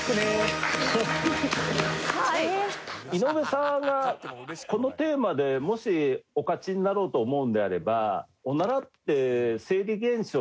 井上さんがこのテーマでもしお勝ちになろうと思うのであれば。